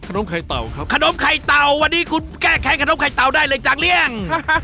นมไข่เต่าครับขนมไข่เต่าวันนี้คุณแก้ไข้ขนมไข่เต่าได้เลยจังหรือยัง